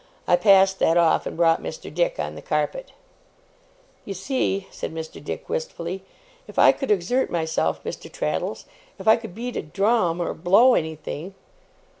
I passed that off, and brought Mr. Dick on the carpet. 'You see,' said Mr. Dick, wistfully, 'if I could exert myself, Mr. Traddles if I could beat a drum or blow anything!